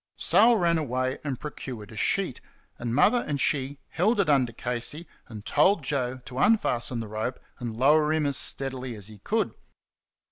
Sal ran away and procured a sheet, and Mother and she held it under Casey, and told Joe to unfasten the rope and lower him as steadily as he could.